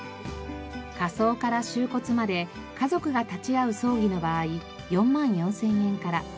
火葬から収骨まで家族が立ち会う葬儀の場合４万４０００円から。